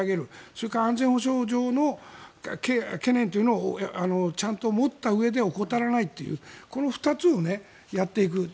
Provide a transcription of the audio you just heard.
それから安全保障上の懸念というのをちゃんと持ったうえで怠らないというこの２つをやっていく。